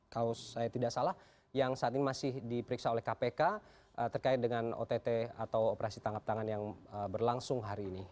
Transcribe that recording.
kalau saya tidak salah yang saat ini masih diperiksa oleh kpk terkait dengan ott atau operasi tangkap tangan yang berlangsung hari ini